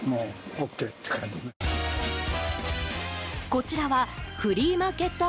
こちらはフリーマーケット